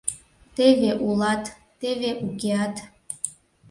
Теве улат, теве укеат.